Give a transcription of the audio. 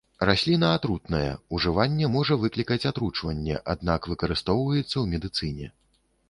Расліна атрутная, ужыванне можа выклікаць атручванне, аднак, выкарыстоўваецца ў медыцыне.